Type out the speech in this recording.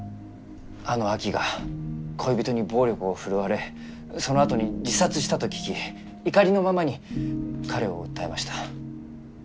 あのアキが恋人に暴力を振るわれそのあとに自殺したと聞き怒りのままに彼を訴えました。